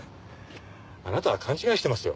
あなたは勘違いしてますよ。